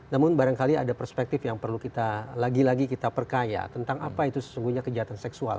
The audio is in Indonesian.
namun barangkali ada perspektif yang perlu kita lagi lagi kita perkaya tentang apa itu sesungguhnya kejahatan seksual